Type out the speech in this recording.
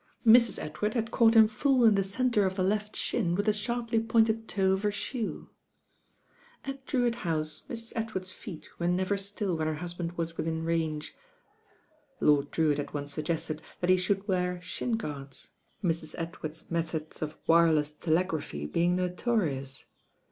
Mrs. Edward had caught him full in the centre of the left shin with the sharply pointed toe of her shoe. At Drewitt House Mrs. Edward's feet were never still when her husband was within range. Lord Drewitt had once suggested that he should wear shin guards, Mrs. Edward's methods of wireless telegraphy being notorious.